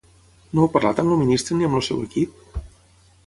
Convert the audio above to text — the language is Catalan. No heu parlat amb el ministre ni amb el seu equip?